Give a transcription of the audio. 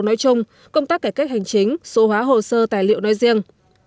nói chung công tác cải cách hành chính số hóa hồ sơ tài liệu nói riêng